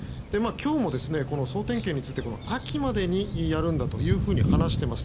今日も、総点検について秋までにやるんだというふうに話しています。